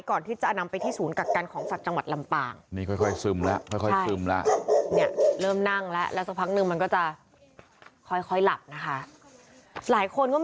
ก่อนที่จะนำไปที่ศูนย์กักกันของสัตว์จังหวัดลำปาง